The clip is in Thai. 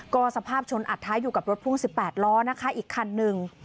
ก็สภาพชนอัดท้ายอยู่กับรถพ่วง๑๘ล้อนะคะอีกคันหนึ่ง